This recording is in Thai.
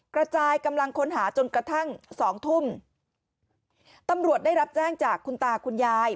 กระจายกำลังค้นหาจนกระทั่งสองทุ่มตำรวจได้รับแจ้งจากคุณตาคุณยาย